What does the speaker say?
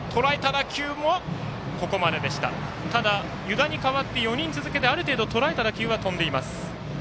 ただ、湯田に代わって４人続けてある程度、とらえた打球は飛んでいます。